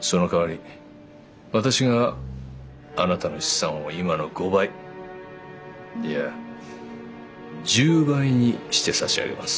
そのかわり私があなたの資産を今の５倍いや１０倍にして差し上げます。